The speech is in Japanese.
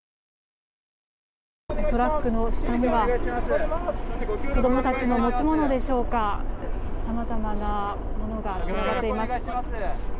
トラックの下には子供たちの持ち物でしょうかさまざまなものが散らばっています。